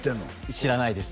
知らないです